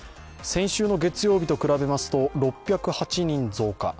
先週の月曜日と比べますと６０８人増加。